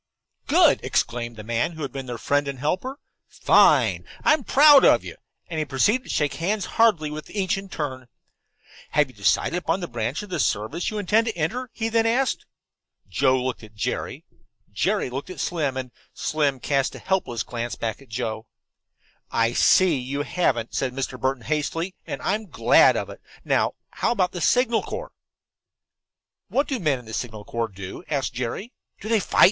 "Good!" exclaimed the man who had been their friend and helper. "Fine! I'm proud of you," and he proceeded to shake hands heartily with each in turn. "Have you decided upon the branch of the service you intend to enter?" he then asked. Joe looked at Jerry, Jerry looked at Slim, and Slim cast a helpless glance back at Joe. "I see you haven't," said Mr. Burton hastily, "and I'm glad of it. Now how about the Signal Corps?" "What do men in the Signal Corps do?" asked Jerry. "Do they fight?"